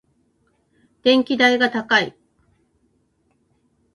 電気代が高い。